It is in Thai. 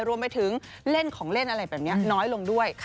รวมไปถึงเล่นของเล่นอะไรแบบนี้น้อยลงด้วย